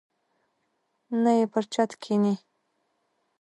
نه یې پر چت کښیني.